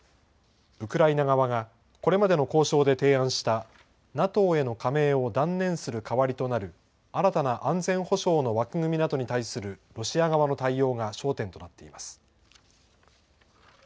ウクライナ側が、これまでの交渉で提案した、ＮＡＴＯへの加盟を断念する代わりとなる、新たな安全保障の枠組みなどに対するロシア側の対応が焦点となっています。